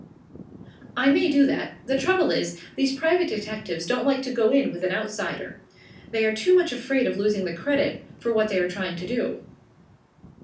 "I may do that. The trouble is, these private detectives don't like to go in with an outsider they are too much afraid of losing the credit for what they are trying to do."